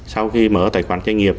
sau khi mở tài khoản doanh nghiệp